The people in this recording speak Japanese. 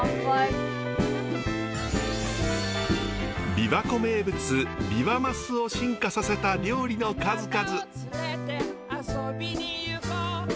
びわ湖名物ビワマスを進化させた料理の数々。